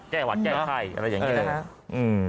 หวัดแก้ไข้อะไรอย่างนี้นะครับ